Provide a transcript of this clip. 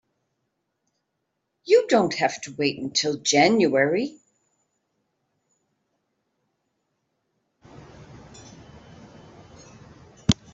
You don't have to wait till January.